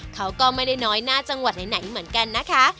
เขาก็ไม่ได้น้อยหน้าจังหวัดไหนเหมือนกันนะคะ